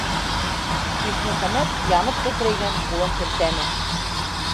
«Ишмөхәмәт» янып кәкрәйгән ҡулын һелтәне: